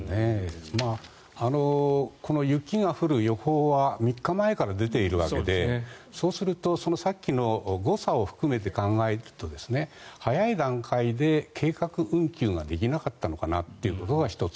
この雪が降る予報は３日前から出ているわけでそうすると、さっきの誤差を含めて考えると早い段階で計画運休ができなかったのかなというのが１つ。